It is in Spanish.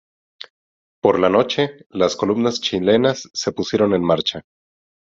Por la noche, las columnas chilenas se pusieron en marcha.